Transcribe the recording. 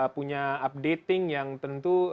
punya updating yang tentu